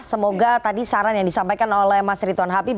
semoga tadi saran yang disampaikan oleh mas rituan habib